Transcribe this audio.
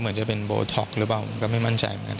เหมือนจะเป็นโบท็อกหรือเปล่าผมก็ไม่มั่นใจเหมือนกัน